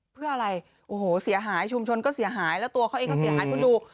เพื่ออะไรโอ้โหเสียหายชุมชนก็เสียหายแล้วตัวเขาเองก็เสียหายคุณดู